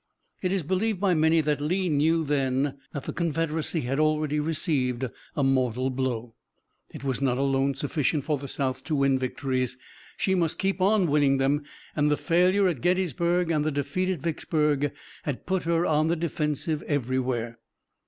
It is believed by many that Lee knew then that the Confederacy had already received a mortal blow. It was not alone sufficient for the South to win victories. She must keep on winning them, and the failure at Gettysburg and the defeat at Vicksburg had put her on the defensive everywhere.